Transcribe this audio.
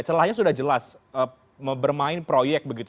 celahnya sudah jelas bermain proyek begitu